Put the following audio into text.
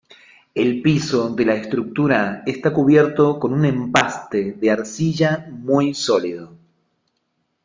El piso de la estructura está cubierto con un empaste de arcilla, muy sólido.